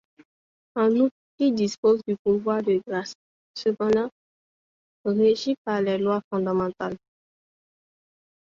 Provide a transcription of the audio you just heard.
En outre, il dispose du pouvoir de grâce, cependant régi par les Lois fondamentales.